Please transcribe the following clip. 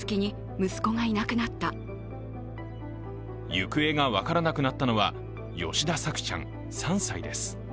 行方が分からなくなったのは吉田朔ちゃん３歳です。